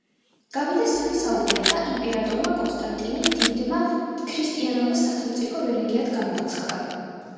გავიდა სამი საუკუნე და იმპერატორმა კონსტანტინე დიდმა ქრისტიანობა სახელმწიფო რელიგიად გამოაცხადა.